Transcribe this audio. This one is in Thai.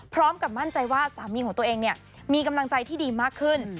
พร้อมกับมั่นใจว่าสามีของตัวเองเนี่ยมีกำลังใจที่ดีมากขึ้น